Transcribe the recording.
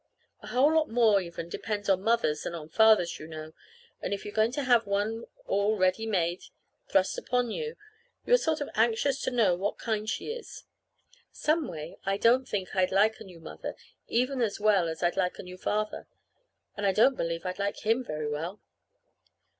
A whole lot more, even, depends on mothers than on fathers, you know; and if you're going to have one all ready made thrust upon you, you are sort of anxious to know what kind she is. Some way, I don't think I'd like a new mother even as well as I'd like a new father; and I don't believe I'd like him very well.